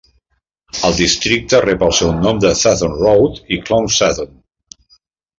El districte rep el seu nom de Sathon Road i Khlong Sathon.